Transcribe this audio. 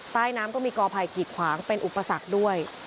ใต้น้ำก็มีกอภัยกีดขวางเป็นอุปสรรคด้วย